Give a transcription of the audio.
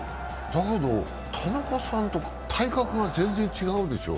田中さんと体格が全然違うでしょう？